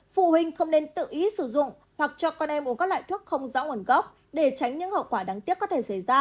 phụ huynh không nên tự ý sử dụng hoặc cho con em mua các loại thuốc không rõ nguồn gốc để tránh những hậu quả đáng tiếc có thể xảy ra